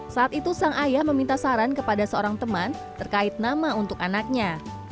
saat itu sang ayah meminta saran kepada seorang teman terkait nama untuk anaknya